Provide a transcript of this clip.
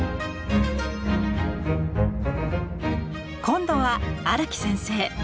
今度は荒木先生！